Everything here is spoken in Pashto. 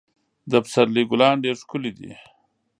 د پسرلي ګلان ډېر ښکلي دي.